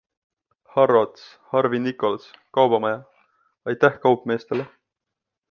Harrods, Harvey Nichols, Kaubamaja ...- aitäh kaupmeestele!